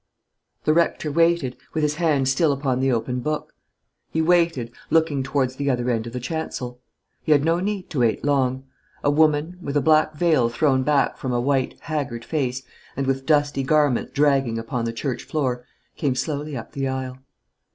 The rector waited, with his hand still upon the open book. He waited, looking towards the other end of the chancel. He had no need to wait long: a woman, with a black veil thrown back from a white, haggard face, and with dusty garments dragging upon the church floor, came slowly up the aisle.